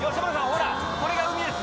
ほらこれが海です。